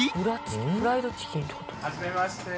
はじめまして。